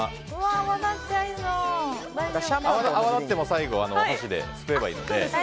泡立っても最後にお箸ですくえばいいので。